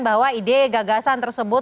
bahwa ide gagasan tersebut